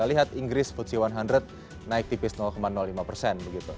akan mengeluarkan kebijakan untuk mengatasi kelemahan ekonomi dan rekor inflasi tinggi yang dihadapi